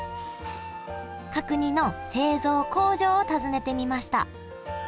角煮の製造工場を訪ねてみました